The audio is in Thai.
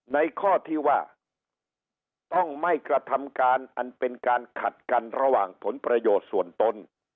ในข้อที่ว่าต้องไม่กระทำการอันเป็นการขัดกันระหว่างผลประโยชน์ส่วนตน